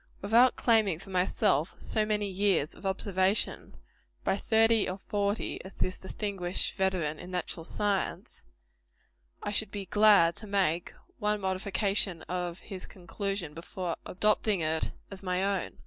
Without claiming for myself so many years of observation, by thirty or forty, as this distinguished veteran in natural science, I should be glad to make one modification of his conclusion, before adopting it as my own.